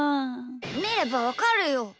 みればわかるよ！